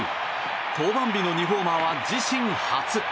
登板日の２ホーマーは自身初。